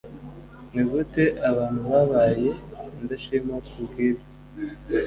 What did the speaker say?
ni gute abantu babaye indashima ku bw ibyo